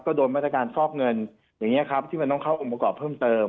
ก็โดนมาตรการฟอกเงินอย่างนี้ครับที่มันต้องเข้าองค์ประกอบเพิ่มเติม